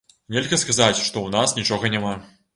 Нельга сказаць, што ў нас нічога няма.